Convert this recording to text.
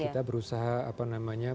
kita berusaha apa namanya